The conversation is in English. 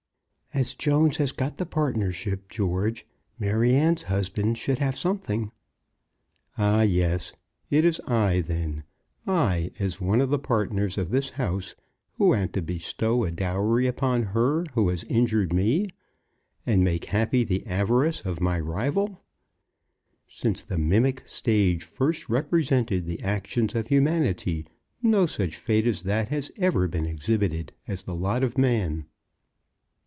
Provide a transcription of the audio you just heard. "As Jones has got the partnership, George, Maryanne's husband should have something." "Ah, yes! It is I, then, I, as one of the partners of this house, who am to bestow a dowry upon her who has injured me, and make happy the avarice of my rival! Since the mimic stage first represented the actions of humanity, no such fate as that has ever been exhibited as the lot of man.